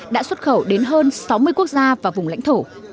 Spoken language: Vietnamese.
đã xuất khẩu đến hơn sáu mươi quốc gia và vùng lãnh thổ